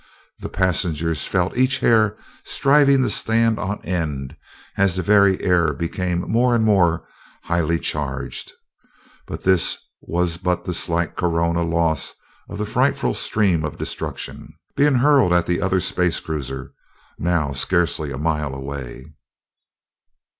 The passengers felt each hair striving to stand on end as the very air became more and more highly charged and this was but the slight corona loss of the frightful stream of destruction being hurled at the other space cruiser, now scarcely a mile away!